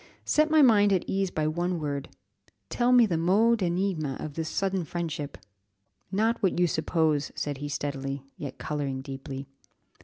set my mind at ease by one word, tell me the mot d'énigme of this sudden friendship." "Not what you suppose," said he steadily, yet colouring deeply.